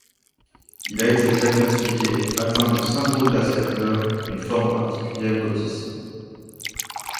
Il a été diagnostiqué atteint du syndrome d'Asperger, une forme particulière d'autisme.